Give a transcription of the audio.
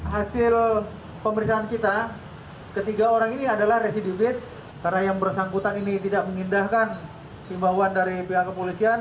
hasil pemeriksaan kita ketiga orang ini adalah residivis karena yang bersangkutan ini tidak mengindahkan himbauan dari pihak kepolisian